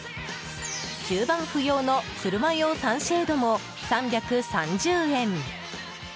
吸盤不要の車用サンシェードも３３０円。